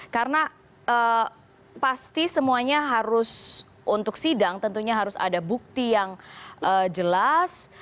karena pasti semuanya harus untuk sidang tentunya harus ada bukti yang jelas